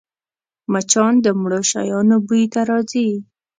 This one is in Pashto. مچان د مړو شیانو بوی ته راځي